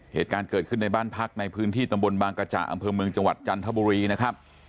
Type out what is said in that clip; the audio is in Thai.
เหตุการณ์เกิดขึ้นในบ้านพักในพื้นที่ตำบลบางกระจ่าอำเภอเมืองจังหวัดจันทบุรีนะครับ